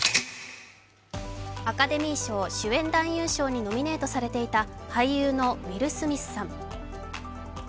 アカデミー賞主演男優賞にノミネートされていた俳優のウィル・スミスさん。